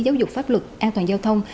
giáo dục pháp luật an toàn giao thông